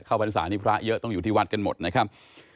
พรรษานี้พระเยอะต้องอยู่ที่วัดกันหมดนะครับ